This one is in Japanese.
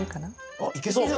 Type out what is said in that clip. あっいけそう。